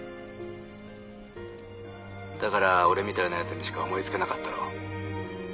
☎だから俺みたいなやつにしか思いつけなかったろう？